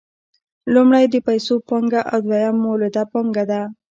لومړی د پیسو پانګه او دویم مولده پانګه ده